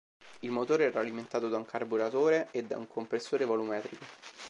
Il motore era alimentato da un carburatore e da un compressore volumetrico.